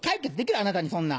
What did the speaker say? あなたにそんなん。